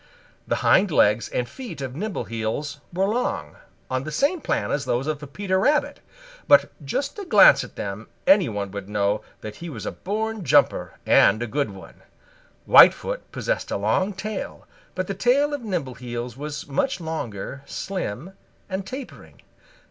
The hind legs and feet of Nimbleheels were long, on the same plan as those of Peter Rabbit. From just a glance at them any one would know that he was a born jumper and a good one. Whitefoot possessed a long tail, but the tail of Nimbleheels was much longer, slim and tapering.